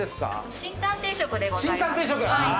芯たん定食でございます